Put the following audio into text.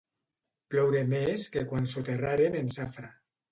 Ploure més que quan soterraren en Safra.